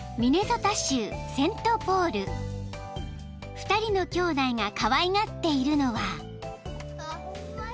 ［２人の兄弟がかわいがっているのは］